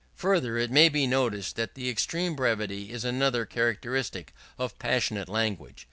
Further, it may be noticed that extreme brevity is another characteristic of passionate language.